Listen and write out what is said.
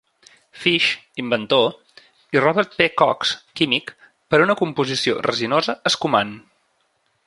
Fish, inventor, i Robert P. Cox, químic, per una composició resinosa escumant.